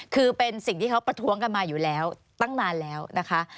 คือเป็นสิ่งที่เขาประท้วงกันมาอยู่แล้วตั้งนานแล้วนะคะ